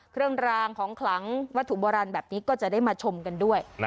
เครื่องรางของขลังวัตถุโบราณแบบนี้ก็จะได้มาชมกันด้วย